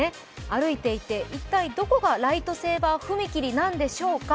歩いていて一体どこがライトセーバー踏切なんでしょうか。